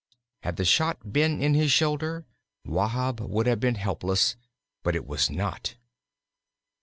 Had the shot been in his shoulder Wahb would have been helpless, but it was not.